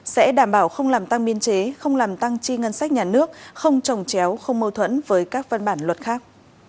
sẽ đảm bảo không làm tăng biên chế không làm tăng chi ngân sách nhà nước không trồng chéo không mâu thuẫn với các văn bản luật khác